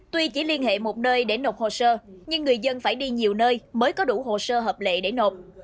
tuy chỉ liên hệ một nơi để nộp hồ sơ nhưng người dân phải đi nhiều nơi mới có đủ hồ sơ hợp lệ để nộp